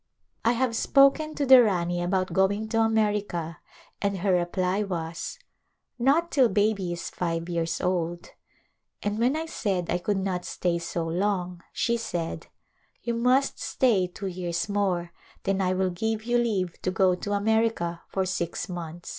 I have spoken to the Rani about going to America and her reply was, " Not till baby is five years old,'* and when I said I could not stay so long, she said, " You must stay two years more, then I will give you leave to go to America for six months."